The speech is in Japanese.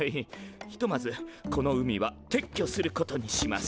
ひとまずこの海は撤去することにします。